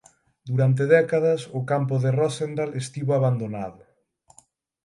Durante décadas o campo de Roosendaal estivo abandonado.